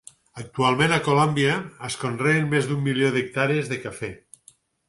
Actualment a Colòmbia es conreen més d'un milió d'hectàrees de cafè.